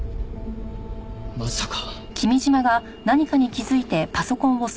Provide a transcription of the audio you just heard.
まさか。